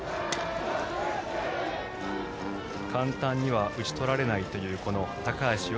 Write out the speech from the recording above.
簡単には打ち取られないという高橋祐